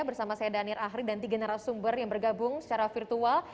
bersama saya danir ahri dan tiga narasumber yang bergabung secara virtual